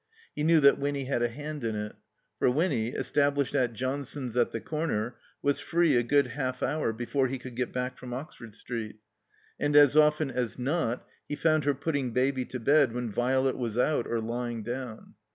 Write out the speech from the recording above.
He knew that Winny had a hand in it. For Winny, estabUshed at Johnson's at the comer, was free a good half hour before he could get back from Oxford Street; and as often as not he found her putting Baby to bed when Violet was out or lying down.